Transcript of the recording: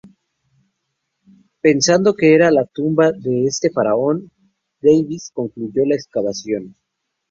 Pensando que era la tumba de este faraón, Davis concluyó la excavación.